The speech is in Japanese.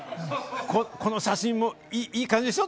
この写真もいい感じでしょう？